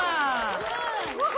すごいわ！